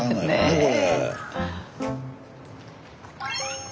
これ。